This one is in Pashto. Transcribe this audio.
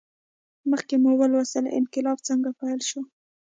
مخکې مو ولوستل انقلاب څنګه پیل شو.